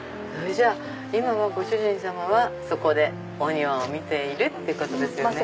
今はご主人様はそこでお庭を見ているってことですね。